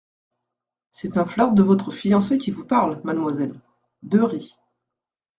C’est un flirt de votre fiancé qui vous parle, mademoiselle. deux rit.